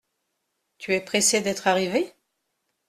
Tu es pressé d’être arrivé ?